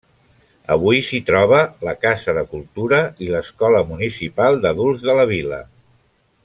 Avui s'hi troba la Casa de Cultura i l'Escola Municipal d'Adults de la vila.